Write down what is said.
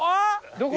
どこ？